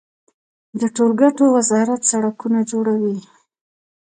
د ټولګټو وزارت سړکونه جوړوي